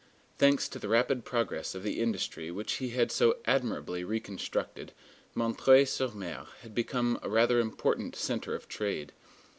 Thanks to the rapid progress of the industry which he had so admirably reconstructed, M. sur M. had become a rather important centre of trade.